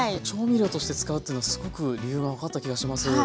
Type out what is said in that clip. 調味料として使うっていうのすごく理由が分かった気がします。